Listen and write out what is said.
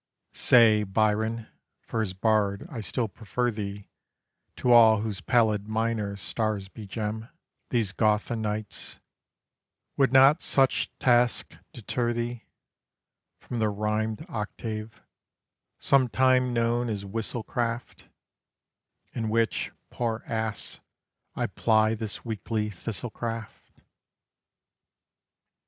Say, Byron (for as bard I still prefer thee To all whose pallid minor stars be gem These Gotha nights) would not such task deter thee From the rhymed octave sometime known as Whistlecraft In which, poor ass, I ply this weekly thistlecraft?